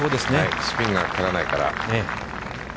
スピンがかからないから。